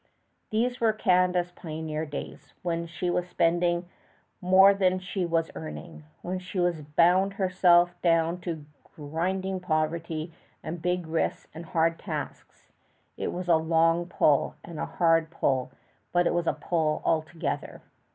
These were Canada's pioneer days, when she was spending more than she was earning, when she bound herself down to grinding poverty and big risks and hard tasks. It was a long pull, and a hard pull; but it was a pull altogether.